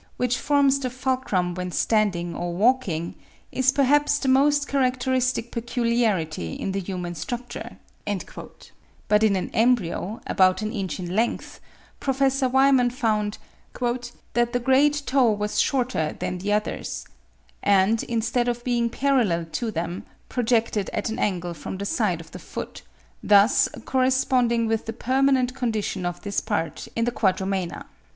"which forms the fulcrum when standing or walking, is perhaps the most characteristic peculiarity in the human structure;" but in an embryo, about an inch in length, Prof. Wyman (20. 'Proc. Soc. Nat. Hist.' Boston, 1863, vol. ix. p. 185.) found "that the great toe was shorter than the others; and, instead of being parallel to them, projected at an angle from the side of the foot, thus corresponding with the permanent condition of this part in the quadrumana."